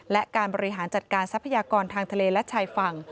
และการบริหารจัดการทรัพยากรทางทะเลและชายฝั่ง